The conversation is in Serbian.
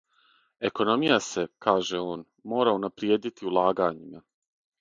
Економија се, каже он, мора унаприједити улагањима.